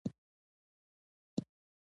غږیز مرسته کوونکی.